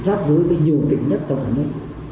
giáp dưới cái nhiều tỉnh nhất trong cả nước